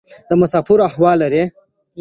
له مسافرو احوال لرې؟